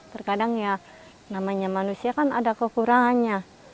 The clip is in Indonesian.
terkadang ya namanya manusia kan ada kekurangannya